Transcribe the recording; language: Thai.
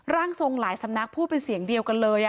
ร่างทรงหลายสำนักพูดเป็นเสียงเดียวกันเลย